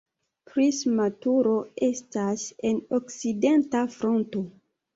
Prisma turo estas en okcidenta fronto.